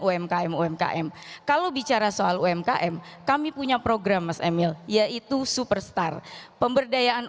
umkm umkm kalau bicara soal umkm kami punya program mas emil yaitu superstar pemberdayaan